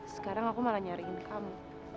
sekarang aku malah nyariin ke kamu